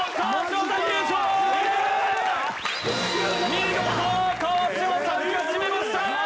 見事、川島さんが決めました。